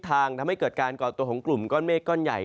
ทำให้เกิดการก่อตัวของกลุ่มก้อนเมฆก้อนใหญ่